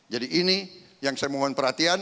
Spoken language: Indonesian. jadi ini yang saya mohon perhatian